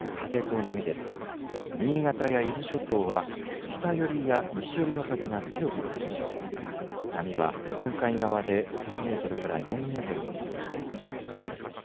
波は日本海側で３メートルから４メートルの見通しです。